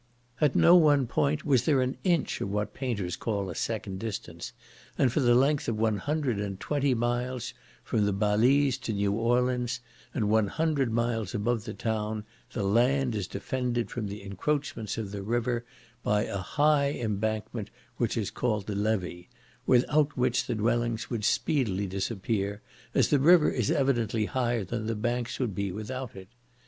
At no one point was there an inch of what painters call a second distance; and for the length of one hundred and twenty miles, from the Balize to New Orleans, and one hundred miles above the town, the land is defended from the encroachments of the river by a high embankment which is called the Levee; without which the dwellings would speedily disappear, as the river is evidently higher than the banks would be without it.